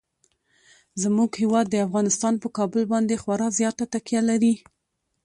زموږ هیواد افغانستان په کابل باندې خورا زیاته تکیه لري.